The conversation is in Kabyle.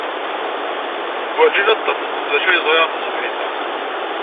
Werjin ad d-tafed d acu ay ẓriɣ taṣebḥit-a.